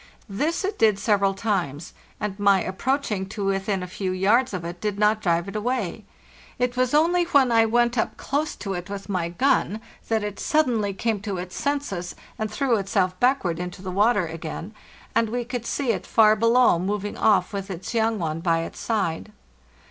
This it did several times, and my approaching to within a few yards of it did not drive it away; it was only when I went up close to it with my gun that it suddenly came to its senses and threw itself backward into the water again, and we could see it far below moving off with its young one by its side.